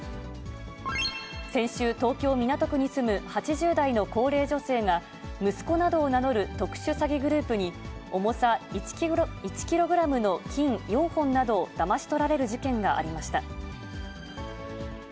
先週、東京・港区に住む８０代の高齢女性が、息子などを名乗る特殊詐欺グループに、重さ１キログラムの金４本などをだまし取られる事件がありました。